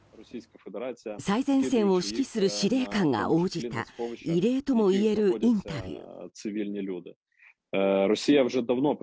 最前線を指揮する司令官が応じた異例ともいえるインタビュー。